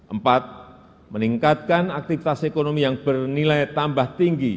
empat meningkatkan aktivitas ekonomi yang bernilai tambah tinggi